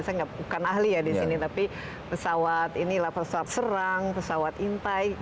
saya bukan ahli ya di sini tapi pesawat ini level pesawat serang pesawat intai